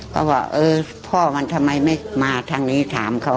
ก็บอกเออพ่อมันทำไมไม่มาทางนี้ถามเขา